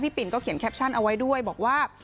ปิ่นก็เขียนแคปชั่นเอาไว้ด้วยบอกว่า